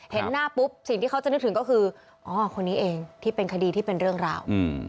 เห็นหน้าปุ๊บสิ่งที่เขาจะนึกถึงก็คืออ๋อคนนี้เองที่เป็นคดีที่เป็นเรื่องราว